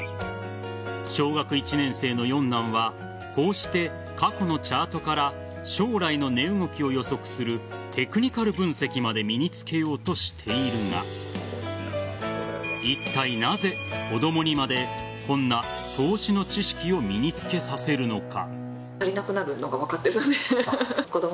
小学１年生の四男はこうして過去のチャートから将来の値動きを予測するテクニカル分析まで身に付けようとしているがいったい、なぜ子供にまでこんな投資の知識を身に付けさせるのか。